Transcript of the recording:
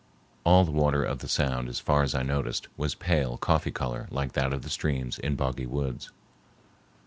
All the water of the sound as far as I noticed was pale coffee color like that of the streams in boggy woods.